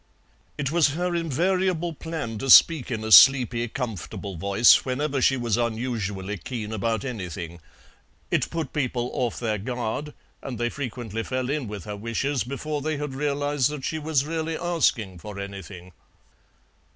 It was her invariable plan to speak in a sleepy, comfortable voice whenever she was unusually keen about anything; it put people off their guard, and they frequently fell in with her wishes before they had realized that she was really asking for anything.